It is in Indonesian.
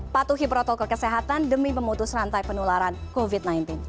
patuhi protokol kesehatan demi memutus rantai penularan covid sembilan belas